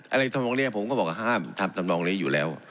อะไรทั้งตรงนี้ผมก็บอกว่าห้ามทำทั้งตรงนี้อยู่แล้ว